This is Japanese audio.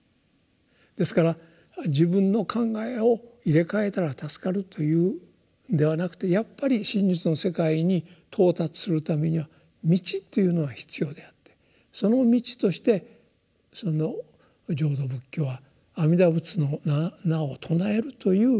ですから自分の考えを入れ替えたら助かるというんではなくてやっぱり真実の世界に到達するためには道というのが必要であってその道として浄土仏教は阿弥陀仏の名を称えるという道を教えたわけですね。